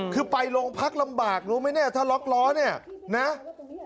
คือไปโรงพักลำบากรู้ไหมเนี่ยถ้าล็อกล้อเนี่ยนะ